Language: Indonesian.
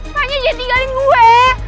banyak aja tinggalin gue